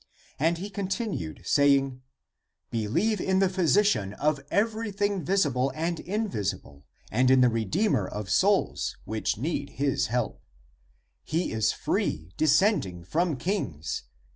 And he continued, saying, " Be lieve in the physician of everything visible and in visible and in the redeemer of souls which need his help. He is free, descending from kings.